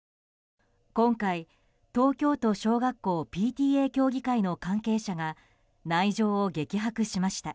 今回東京都小学校ＰＴＡ協議会の関係者が内情を激白しました。